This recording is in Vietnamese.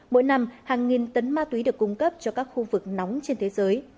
mỗi năm hàng nghìn tấn ma túy được cung cấp cho các khu vực nóng trên thế giới